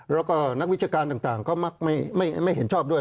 แล้วก็นักวิชาการต่างก็มักไม่เห็นชอบด้วย